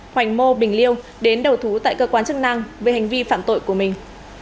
hoành mô bình liêu đến đầu thú tại cơ quan chức năng về hành vi phạm tội của mình